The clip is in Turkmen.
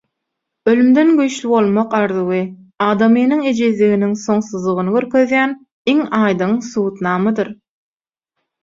Ölümden güýçli bolmak arzuwy adamynyň ejizliginiň soňsuzlygyny görkezýän iň aýdyň subutnamadyr.